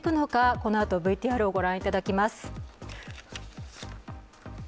このあとＶＴＲをご覧いただきます。